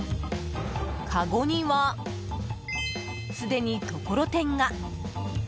かごには、すでにところてんが。